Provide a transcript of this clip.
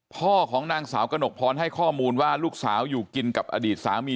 พ่อของนางสาวกระหนกพรให้ข้อมูลว่าลูกสาวอยู่กินกับอดีตสามี